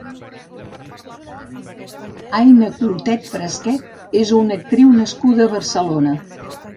Aina Clotet Fresquet és una actriu nascuda a Barcelona.